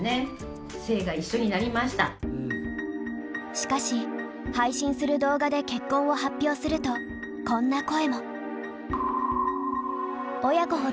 しかし配信する動画で結婚を発表するとこんな声も。